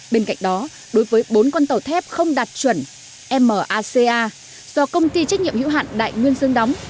bên cạnh đó đối với bốn con tàu thép không đạt chuẩn maca do công ty trách nhiệm hữu hạn đại nguyên dương đóng